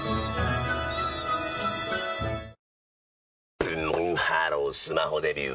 ブンブンハロースマホデビュー！